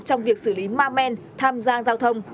trong việc xử lý ma men tham gia giao thông